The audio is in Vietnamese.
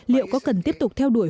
liệu có cần tiếp tục theo đuổi